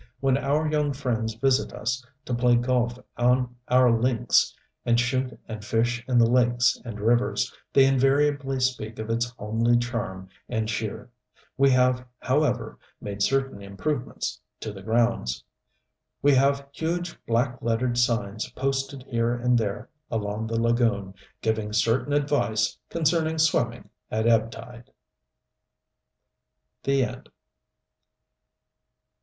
When our young friends visit us, to play golf on our links and shoot and fish in the lakes and rivers, they invariably speak of its homely charm and cheer. We have, however, made certain improvements in the grounds. We have huge, black lettered signs posted here and there along the lagoon, giving certain advice concerning swimming at ebb tide. THE END.